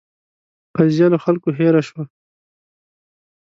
قضیه له خلکو هېره شوه.